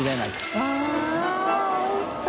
わぁおいしそう。